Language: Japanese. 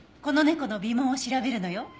この猫の鼻紋を調べるのよ。